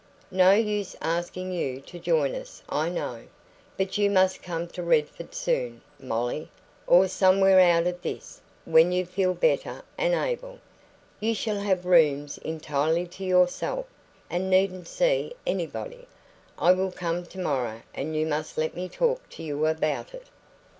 No use asking you to join us, I know. But you must come to Redford soon, Molly or somewhere out of this when you feel better and able. You shall have rooms entirely to yourself, and needn't see anybody. I will come tomorrow, and you must let me talk to you about it."